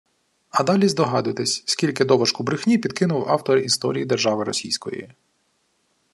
А далі здогадуйтеся, скільки «доважку брехні» підкинув автор «Історії держави Російської»